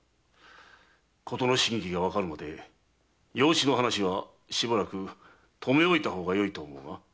事の真偽がわかるまで養子の話はしばらく留め置いた方がよいと思うが。